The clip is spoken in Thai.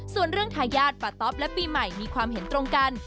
ส่วนเรื่องทายาทปะต๊อปและปีใหม่มีความเห็นตรงกัน